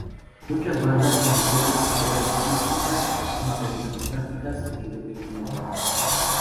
Muchas bandas iniciaron su carrera artística bajo discográficas independientes.